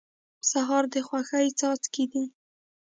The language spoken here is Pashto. سهار د خوښۍ څاڅکي دي.